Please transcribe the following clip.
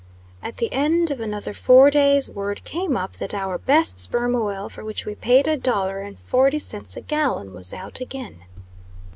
At the end of another four days, word came up that our best sperm oil, for which we paid a dollar and forty cents a gallon, was out again.